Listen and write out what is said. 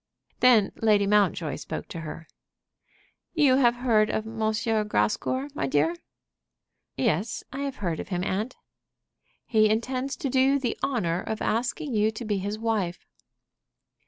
Then Lady Mountjoy spoke to her. "You have heard of M. Grascour, my dear?" "Yes; I have heard of him, aunt." "He intends to do you the honor of asking you to be his wife."